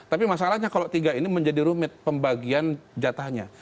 tapi masalahnya kalau tiga ini menjadi rumit pembagian jatahnya